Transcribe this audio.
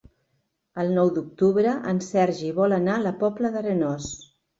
El nou d'octubre en Sergi vol anar a la Pobla d'Arenós.